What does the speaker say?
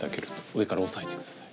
上から押さえて下さい。